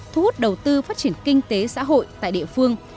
thu hút đầu tư phát triển kinh tế xã hội tại địa phương